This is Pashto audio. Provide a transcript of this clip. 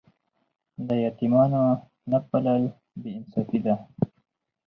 د یتیمانو نه پالل بې انصافي ده.